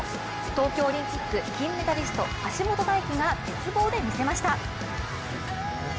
東京オリンピック金メダリスト橋本大輝が、鉄棒でみせました。